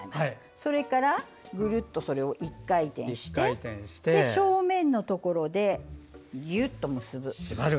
それから、ぐるっと１回転して正面のところでギュッと結ぶ。